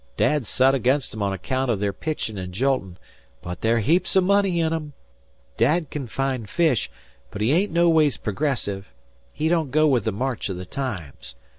Dad's sot agin 'em on account o' their pitchin' an' joltin', but there's heaps o' money in 'em. Dad can find fish, but he ain't no ways progressive he don't go with the march o' the times.